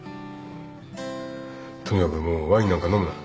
とにかくもうワインなんか飲むな。